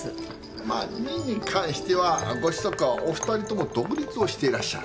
まあ②に関してはご子息はお二人とも独立をしていらっしゃる。